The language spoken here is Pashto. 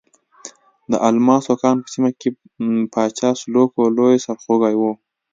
د الماسو کان په سیمه کې پاچا سلوکو لوی سرخوږی وو.